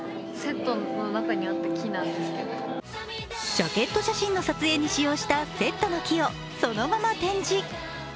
ジャケット写真の撮影に使用したセットの木をそのまま展示。